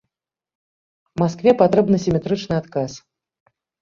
Маскве патрэбны сіметрычны адказ.